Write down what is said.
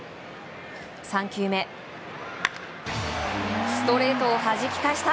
３球目ストレートをはじき返した！